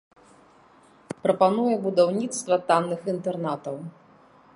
Прапануе будаўніцтва танных інтэрнатаў.